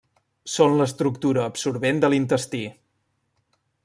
Són l'estructura absorbent de l'intestí.